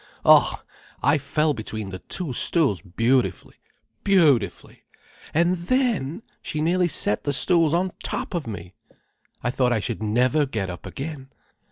Oh, I fell between the two stools beautifully, beautifully! And then—she nearly set the stools on top of me. I thought I should never get up again.